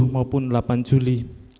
maupun delapan juli